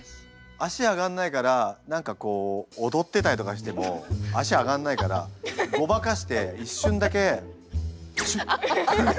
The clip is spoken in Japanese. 脚上がんないから何かこう踊ってたりとかしても脚上がんないからごまかして一瞬だけシュッ！